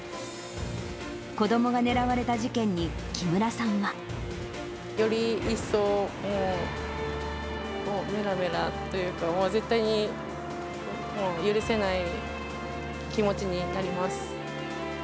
子どもが狙われた事件に、紀村さんは。より一層、めらめらというか、もう絶対に許せない気持ちになります。